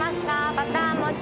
バター餅。